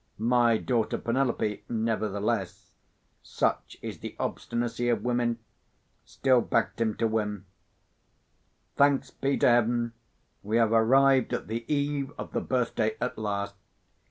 My daughter Penelope, nevertheless—such is the obstinacy of women—still backed him to win. Thanks be to Heaven, we have arrived at the eve of the birthday at last!